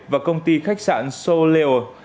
và công ty khách sạn sô lèo